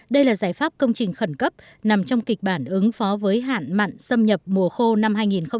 đây là giải pháp công trình khẩn cấp nằm trong kịch bản ứng phó với hạn mặn xâm nhập mùa khô năm hai nghìn hai mươi